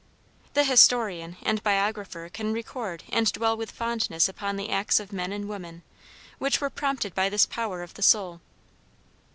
The historian and biographer can record and dwell with fondness upon the acts of men and women, which were prompted by this power of the soul.